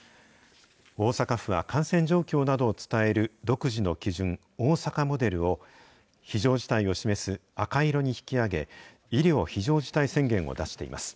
大阪府は感染状況などを伝える独自の基準、大阪モデルを、非常事態を示す赤色に引き上げ、医療非常事態宣言を出しています。